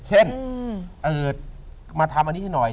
เช่นมาทำอันนี้ให้หน่อย